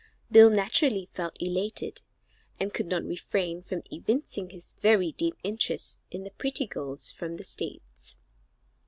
Bill naturally felt elated, and could not refrain from evincing his very deep interest in the pretty girls from the states.